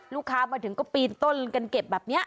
ลูกค้ามาถึงก็ปีนต้นกันเก็บแบบนี้